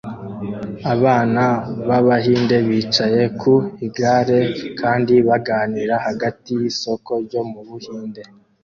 Abana b'Abahinde bicaye ku igare kandi baganira hagati y'isoko ryo mu Buhinde